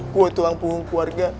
gue tulang punggung keluarga